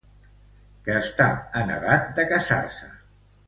Que està en edat de casar-se.